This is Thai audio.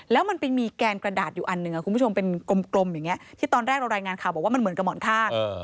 แล้วมันไปมีแกนกระดาษอยู่อันหนึ่งคุณผู้ชมเป็นกลมอย่างนี้ที่ตอนแรกเรารายงานข่าวบอกว่ามันเหมือนกระหมอนข้าง